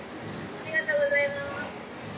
ありがとうございます！